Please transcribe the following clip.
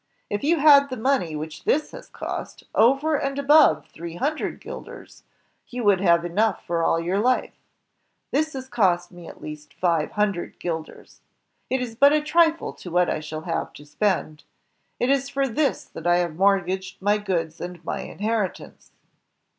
If you had the money which this has cost, over and above three hundred guilders, you would have enough for all your life; this has cost me at least five himdred guilders. It is but a trifle to what I shall have to spend. It is for this that I have mortgaged my goods and my inheritance."